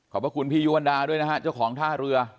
ขอบคุณพี่ยุวันดาด้วยนะฮะเจ้าของท่าเรือ